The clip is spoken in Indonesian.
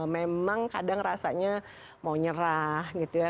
memang kadang rasanya mau nyerah gitu ya